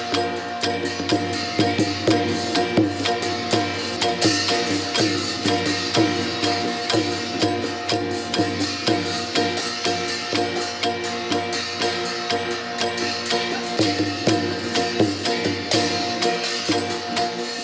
พบกับโชว์ของพิษณามหาสนุกหมายเลข๒